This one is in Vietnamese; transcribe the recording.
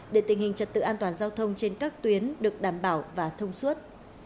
để tình hình trật tự an toàn giao thông trên các tuyến được đảm bảo và thông suốt